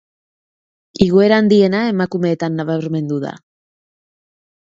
Igoera handiena, emakumeetan nabarmendu da.